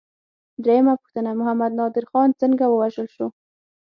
درېمه پوښتنه: محمد نادر خان څنګه ووژل شو؟